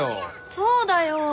そうだよ。